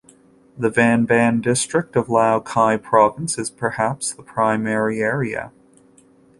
The Van Ban district of Lao Cai province is perhaps the primary area.